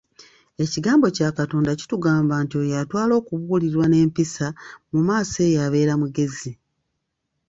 Ekigambo kya Katonda kitugamba nti oyo atwala okubuulirirwa n'empisa, mu maaso eyo abeera mugezi.